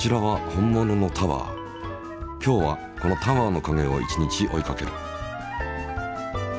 今日はこのタワーの影を一日追いかける。